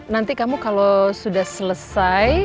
nanti kamu kalau sudah selesai